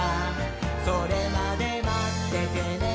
「それまでまっててねー！」